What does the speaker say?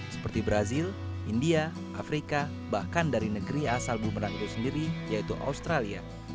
seperti brazil india afrika bahkan dari negeri asal bumerang itu sendiri yaitu australia